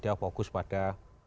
dia fokus pada